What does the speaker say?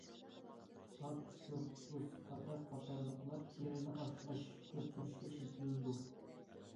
ھاك، شور، تۇز، كاتاپ قاتارلىقلار تېرىنى ئاشلاش، كۆپتۈرۈشكە ئىشلىتىلىدۇ.